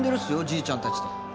じいちゃんたちと。